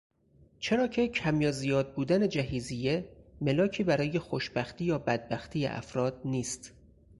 چرا که کم یا زیاد بودن جهیزیه ملاکی برای خوشبختی یا بدبختی افراد نیست